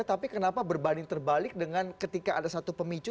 tapi kenapa berbanding terbalik dengan ketika ada satu pemicu